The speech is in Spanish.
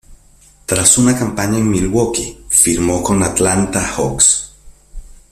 Tras una campaña en Milwaukee, firmó con Atlanta Hawks.